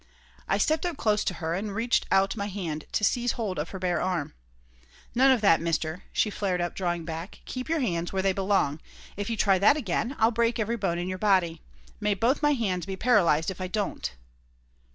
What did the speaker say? I stepped up close to ner and reached out my hand to seize hold of her bare arm "None of that, mister!" she flared up, drawing back. "Keep your hands where they belong. If you try that again I'll break every bone in your body. May both my hands be paralyzed if I don't!"